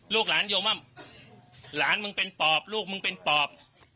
ลูกหลานโยมว่าหลานมึงเป็นปอบลูกมึงเป็นปอบ